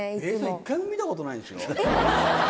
１回も見たことないんですよ。